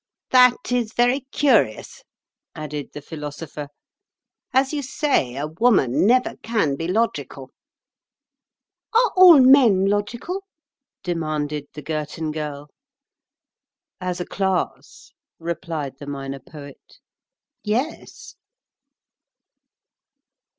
"That is very curious," added the Philosopher. "As you say, a woman never can be logical." "Are all men logical?" demanded the Girton Girl. "As a class," replied the Minor Poet, "yes."